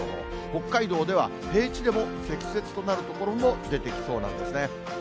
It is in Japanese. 北海道では平地でも積雪となる所も出てきそうなんですね。